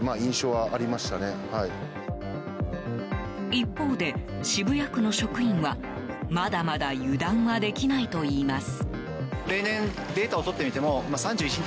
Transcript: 一方で、渋谷区の職員はまだまだ油断はできないといいます。